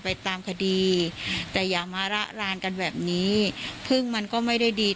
ไปตามคดีแต่อย่ามาระรานกันแบบนี้พึ่งมันก็ไม่ได้ดี